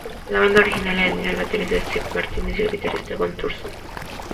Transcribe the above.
La banda original alineó al baterista Steve Martínez y al guitarrista Gene Thurston.